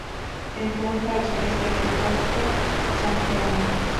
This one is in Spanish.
Se encuentra al Sureste del Fuerte San Jerónimo.